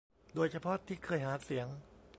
โดยเฉพาะที่เคยหาเสียง